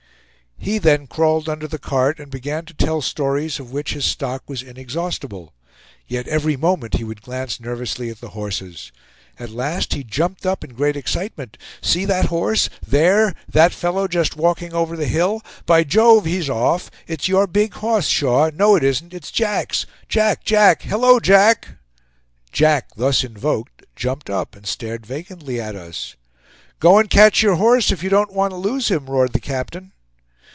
He then crawled under the cart, and began to tell stories of which his stock was inexhaustible. Yet every moment he would glance nervously at the horses. At last he jumped up in great excitement. "See that horse! There that fellow just walking over the hill! By Jove; he's off. It's your big horse, Shaw; no it isn't, it's Jack's! Jack! Jack! hallo, Jack!" Jack thus invoked, jumped up and stared vacantly at us. "Go and catch your horse, if you don't want to lose him!" roared the captain.